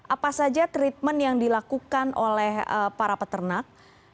apa saja treatment yang dilakukan oleh para peternak